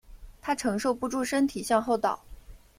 她承受不住身体向后倒